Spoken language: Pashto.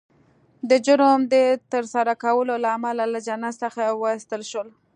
د جرم د ترسره کولو له امله له جنت څخه وایستل شول